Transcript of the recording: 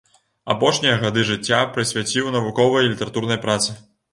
Апошнія гады жыцця прысвяціў навуковай і літаратурнай працы.